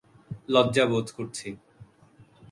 লজ্জা বোধ করছি।